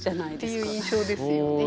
っていう印象ですよね。